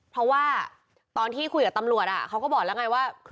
เพราะว่าพี่เคยที่คุยกับตำรวจเขาบอกว่า